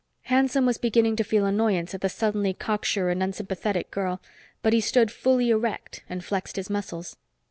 Hanson was beginning to feel annoyance at the suddenly cocksure and unsympathetic girl, but he stood fully erect and flexed his muscles.